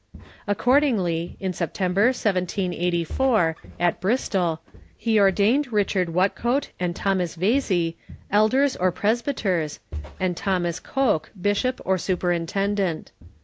Accordingly, in September, 1784, at Bristol, he ordained Richard Whatcoat and Thomas Vasey elders or presbyters, and Thomas Coke bisho2> or superintendent.